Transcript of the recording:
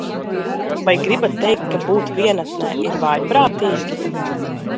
Vai gribat teikt, ka būt vienatnē ir vājprātīgi?